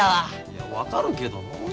いや分かるけどのう。